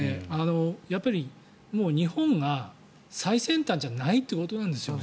日本が最先端じゃないということなんですよね。